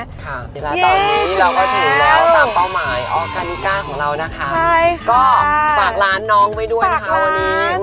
ศิลาตอนนี้เราก็ถึงแล้วตามเป้าหมายออกกานิก้าของเรานะคะก็ฝากร้านน้องไว้ด้วยนะคะวันนี้